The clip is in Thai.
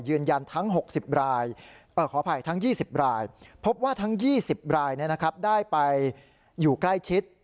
ยืนยันทั้ง๒๐รายพบว่าทั้ง๒๐รายได้ไปอยู่ใกล้ชิด